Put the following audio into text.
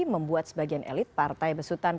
membuat sebagian elit partai besutan